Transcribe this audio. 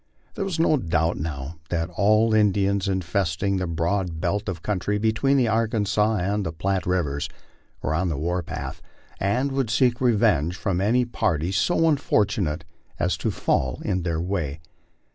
There was no doubt now that all Indians infesting the broad belt of country between the Arkansas and Platte rivers were on the war path, and would seek revenge from any party so unfor tunate as to fall in their way.